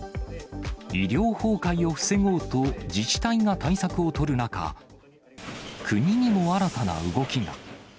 医療崩壊を防ごうと、自治体が対策を取る中、国にも新たな動きが。